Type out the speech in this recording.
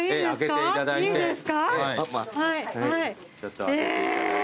いいですか。